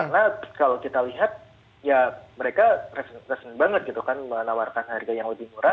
karena kalau kita lihat ya mereka resmen banget gitu kan menawarkan harga yang lebih murah